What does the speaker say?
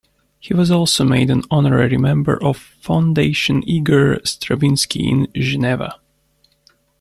He was also made an honorary member of Fondation Igor Stravinsky in Geneva.